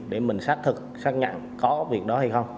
để mình xác thực xác nhận có việc đó hay không